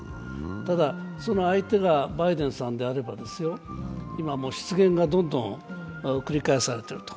ただ、その相手がバイデンさんであれば、今、失言がどんどん繰り返されている。